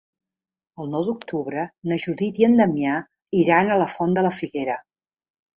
El nou d'octubre na Judit i en Damià iran a la Font de la Figuera.